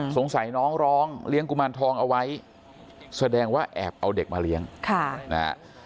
สงสัยน้องร้องเลี้ยงกุมารทองเอาไว้แสดงว่าแอบเอาเด็กมาเลี้ยงค่ะนะฮะ